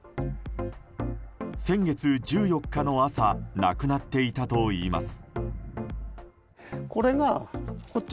先月１４日の朝なくなっていたといいます。